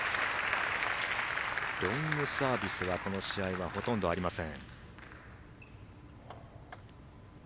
ロングサービスはこの試合はほとんどありません。